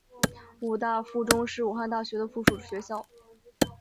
武大附中是武汉大学的附属学校。